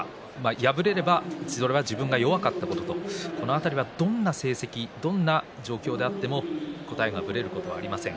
敗れれば、それは自分が弱かったからだとその辺りはどんな成績どんな状況であっても答えがぶれることはありません。